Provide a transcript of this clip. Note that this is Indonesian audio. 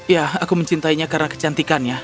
ya aku mencintainya karena kecantikannya